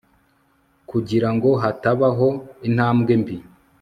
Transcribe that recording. Kugira ngo hatabaho intambwe mbi